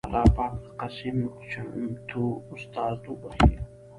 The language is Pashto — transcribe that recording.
اللهٔ پاک د قسيم چمتو استاد وبښي